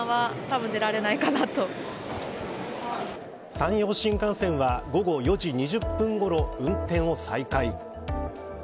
山陽新幹線は午後４時２０分ごろ運転を再開。